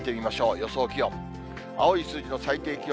予想気温。